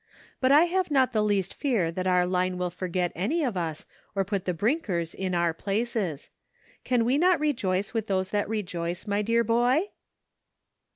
But I have not the least fear that our Line will forget any of us or put the Brinkers in our places. Can we not rejoice with those that rejoice, my dear boy?"